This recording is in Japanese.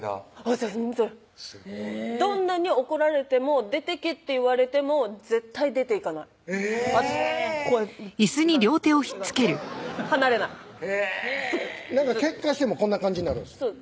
全然どんなに怒られても「出てけ」って言われても絶対出ていかないえぇ「行かない行かない離れない」へぇけんかしてもこんな感じになるんです